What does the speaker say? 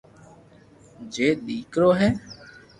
جي تو ڪري ھي